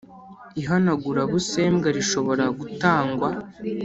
Ihanagurabusembwa rishobora gutangwa